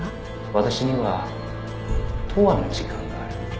「私には永遠の時間がある」